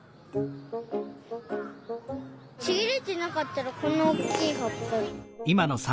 ちぎれてなかったらこんなおおきいはっぱ。